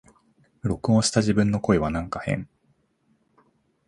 録音した自分の声はなんか変